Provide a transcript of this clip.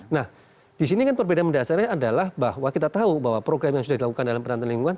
nah disini kan perbedaan mendasarnya adalah bahwa kita tahu bahwa program yang sudah dilakukan dalam penantahan lingkungan